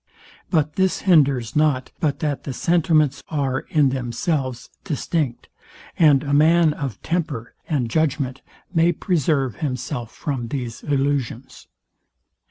But this hinders not, but that the sentiments are, in themselves, distinct; and a man of temper and judgment may preserve himself from these illusions.